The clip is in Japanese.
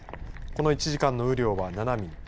この１時間の雨量は７ミリ。